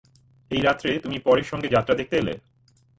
এই রাত্রে তুমি পরের সঙ্গে যাত্রা দেখতে এলে?